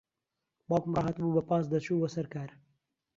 باوکم ڕاھاتبوو بە پاس دەچوو بۆ سەر کار.